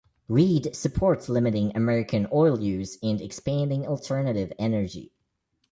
Reed supports limiting American oil use and expanding alternative energy.